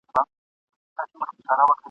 چي تعویذ به مي مضمون د هر غزل وو ..